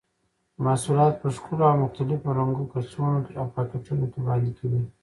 محصولات په ښکلو او مختلفو رنګه کڅوړو او پاکټونو کې وړاندې کوي.